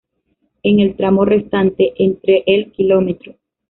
En el tramo restante entre el Km.